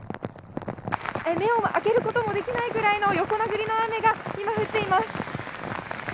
目を開けることもできないぐらいの横殴りの雨が今降っています。